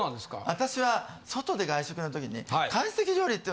私は外で外食の時に。